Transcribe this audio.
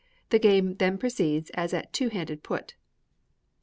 The game then proceeds as at two handed Put.